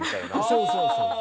そうそうそうそう。